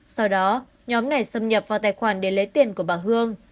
sau đó nhóm này xâm nhập vào tài khoản để lấy tiền của bà hương